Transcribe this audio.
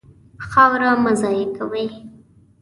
خاوره مه ضایع کوئ.